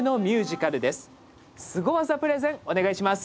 スゴ技プレゼンお願いします。